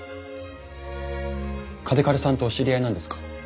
嘉手刈さんとお知り合いなんですか？